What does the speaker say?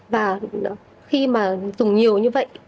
và khi mà dùng nhiều như vậy